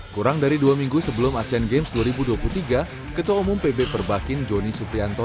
kurang dari dua minggu sebelum asean games dua ribu dua puluh tiga ketua umum pb perbakin joni suprianto